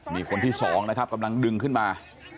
นี่คนที่สองนะครับกำลังดึงขึ้นมา